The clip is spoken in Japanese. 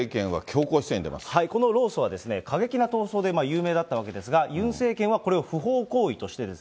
この労組はですね、過激な闘争で有名だったわけですが、ユン政権はこれを不法行為としているんです。